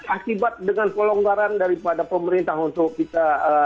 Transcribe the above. akibat dengan pelonggaran daripada pemerintah untuk kita